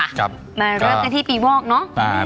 มาเริ่มกันที่ปีวอกเนาะ